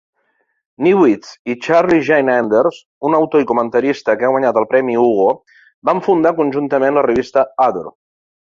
Newitz i Charlie Jane Anders, un autor i comentarista que ha guanyat el premi Hugo, van fundar conjuntament la revista 'Other'.